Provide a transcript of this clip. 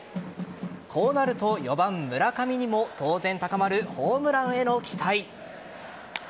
こうなると４番・村上にも当然高まるホームランへの期待。